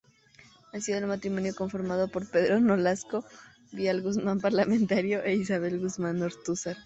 Nació del matrimonio conformado por Pedro Nolasco Vial Guzmán, parlamentario, e Isabel Guzmán Ortúzar.